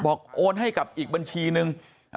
โอนให้กับอีกบัญชีนึง